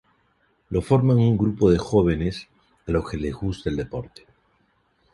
Lo forman un grupo de jóvenes a los que les gusta el deporte.